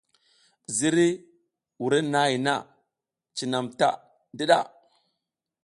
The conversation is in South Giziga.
Ziriy wurenahay na cinam ta ndiɗa.